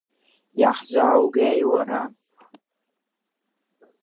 Иаҳзааугеи, уара?